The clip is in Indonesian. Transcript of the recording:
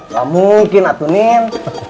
gak mungkin atu niel